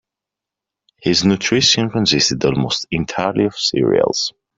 His nutrition consisted almost entirely of cereals.